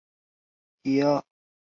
石街道是下辖的一个街道办事处。